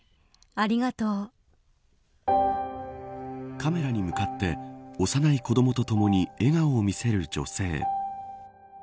カメラに向かって幼い子どもとともに笑顔を見せる女性。